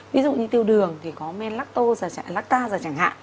ví dụ như tiêu đường thì có men lactose lactase chẳng hạn